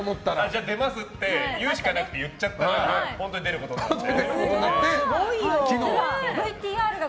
で、出ますって言うしかなくて言っちゃったら本当に出ることになって。